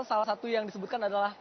salah satu yang disebutkan adalah